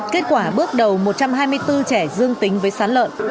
kết quả bước đầu một trăm hai mươi bốn trẻ dương tính với sán lợn